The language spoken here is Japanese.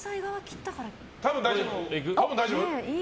多分大丈夫？